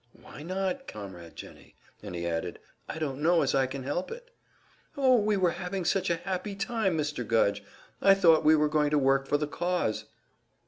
"Why not, Comrade Jennie?" And he added, "I don't know as I can help it." "Oh, we were having such a happy time, Mr. Gudge! I thought we were going to work for the cause!"